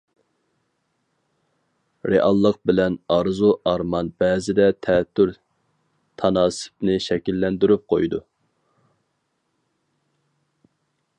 رېئاللىق بىلەن ئارزۇ-ئارمان بەزىدە تەتۈر تاناسىپنى شەكىللەندۈرۈپ قويىدۇ.